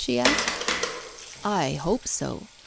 she asked. "I hope so.